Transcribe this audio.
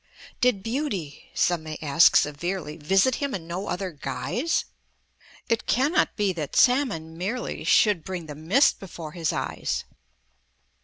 "Did Beauty," some may ask severely, "Visit him in no other guise? It cannot be that salmon merely Should bring the mist before his eyes!